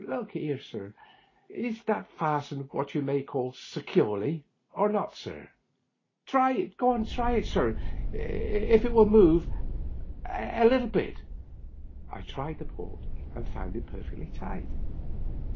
Look 'ere, sir, is that fastened what you may call securely, or not, sir? Try it, sir, see if it wiU move a hinch." I tried the port, and found it perfectly tight.